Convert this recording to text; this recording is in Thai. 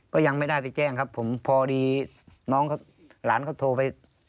ก็ยังไม่ได้ไปแจ้งครับผมพอดีน้องหลานเขาโทรไป